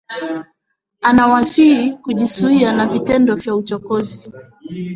Anawasihi kujizuia na vitendo vya uchokozi